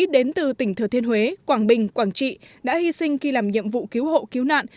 đến từ tỉnh thừa thiên huế quảng bình quảng trị đã hy sinh khi làm nhiệm vụ cứu hộ cứu nạn